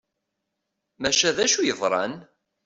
Maca d acu i yeḍran?